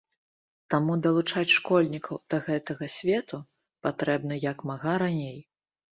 Таму далучаць школьнікаў да гэтага свету патрэбна як мага раней.